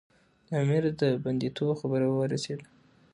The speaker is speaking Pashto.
د امیر د بندي توب خبره ورسېده.